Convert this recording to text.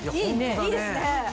いいですね。